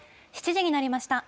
７時になりました。